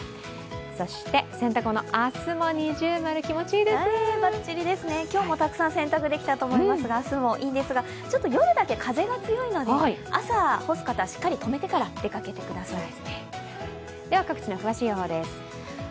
そして洗濯物、明日も◎バッチリですね、今日もたくさん洗濯できたと思いますが明日もいいんですが、ただ、夜だけ風が強いので朝干す方はしっかりとめてからお出かけしてください。